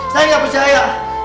saya gak percaya